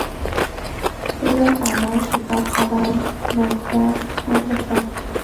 علم ،عمل ،کتاب ،قلم ،مکتب ،مدرسه